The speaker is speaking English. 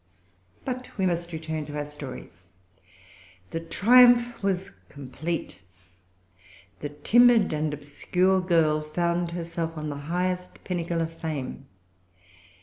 But we must return to our story. The triumph was complete. The timid and obscure girl found herself on the highest pinnacle of fame.